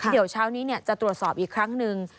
เดี๋ยวเช้านี้จะตรวจสอบอีกครั้งหนึ่ง